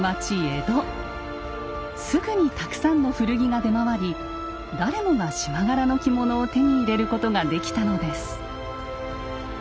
すぐにたくさんの古着が出回り誰もが縞柄の着物を手に入れることができたのです。